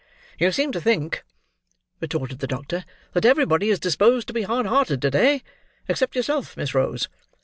"You seem to think," retorted the doctor, "that everybody is disposed to be hard hearted to day, except yourself, Miss Rose.